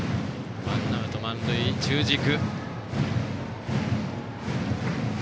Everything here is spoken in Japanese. ワンアウト満塁、中軸。